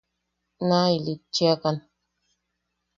Naa ilitchiakan.